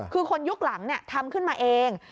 คือคนยุคหลังทำขึ้นมาเอง